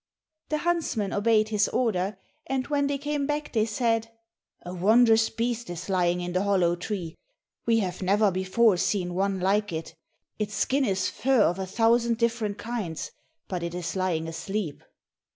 The huntsmen obeyed his order, and when they came back they said, "A wondrous beast is lying in the hollow tree; we have never before seen one like it. Its skin is fur of a thousand different kinds, but it is lying asleep."